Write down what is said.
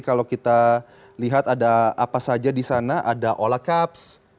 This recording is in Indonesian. kalau kita lihat ada apa saja di sana ada ola caps